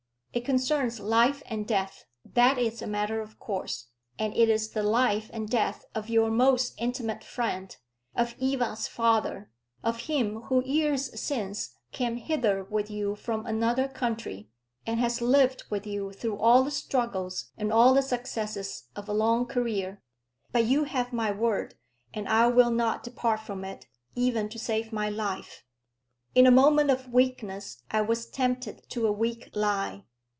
It concerns life and death, that is a matter of course, and it is the life and death of your most intimate friend, of Eva's father, of him who years since came hither with you from another country, and has lived with you through all the struggles and all the successes of a long career. But you have my word, and I will not depart from it, even to save my life. In a moment of weakness I was tempted to a weak lie.